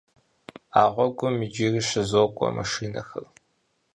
А гъуэгум иджыри щызокӏуэ машинэхэр.